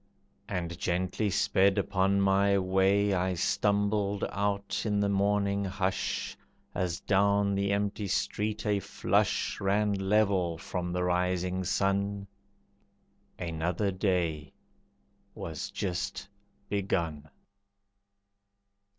And gently sped upon my way I stumbled out in the morning hush, As down the empty street a flush Ran level from the rising sun. Another day was just begun.